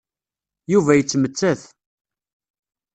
Yuba yettmettat.